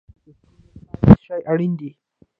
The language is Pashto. د ستورو لپاره څه شی اړین دی؟